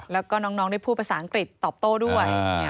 แล้วก็น้องได้พูดภาษาอังกฤษตอบโต้ด้วย